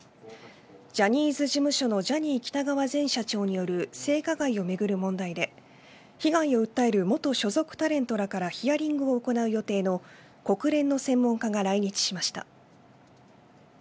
ジャニーズ事務所のジャニー喜多川前社長による性加害をめぐる問題で被害を訴える元所属タレントらからヒアリングを行う予定の国連の専門家が来日しました。